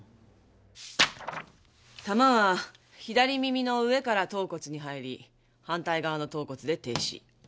弾は左耳の上から頭骨に入り反対側の頭骨で停止。